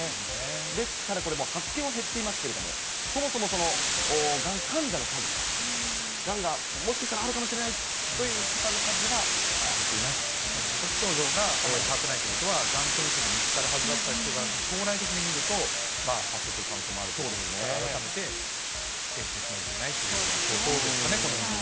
ですからこれ、発見は減っていますけれども、そもそも、そのがん患者の数、がんがもしかしたらあるかもしれないという方の数は減っていない自覚症状があんまり変わってないということは、がん検診で見つかるはずだった人が、将来的に見ると、発症する可能性もあるということですから、改めて検診しなきゃいけないということですかね、この時期に。